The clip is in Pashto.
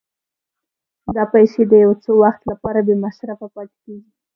دا پیسې د یو څه وخت لپاره بې مصرفه پاتې کېږي